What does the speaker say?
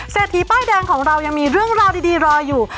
ทีป้ายแดงของเรายังมีเรื่องราวดีรออยู่